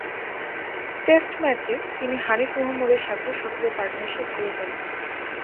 Test ম্যাচে, তিনি হানিফ মোহাম্মদের সাথে সক্রিয় পার্টনারশিপ গড়ে তোলেন।